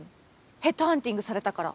ヘッドハンティングされたから。